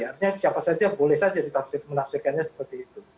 artinya siapa saja boleh saja ditafsirkan seperti itu